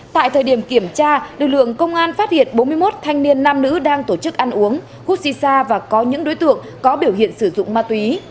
tại thời điểm kiểm tra lực lượng công an phát hiện bốn mươi một thanh niên nam nữ đang tổ chức ăn uống hút xì xa và có những đối tượng có biểu hiện sử dụng ma túy